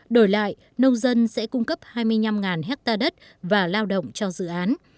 đổi lại nông dân sẽ cung cấp hai mươi năm hectare đất và lao động cho dự án